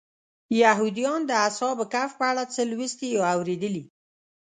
یهودیان د اصحاب کهف په اړه څه لوستي یا اورېدلي.